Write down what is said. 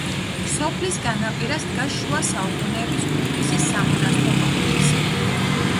სოფლის განაპირას დგას შუა საუკუნეების უბისის სამონასტრო კომპლექსი.